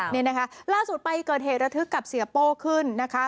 นี่นะคะล่าสุดไปเกิดเหตุระทึกกับเสียโป้ขึ้นนะคะ